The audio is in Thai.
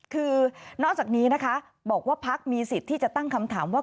คือนอกจากนี้นะคะบอกว่าพักมีสิทธิ์ที่จะตั้งคำถามว่า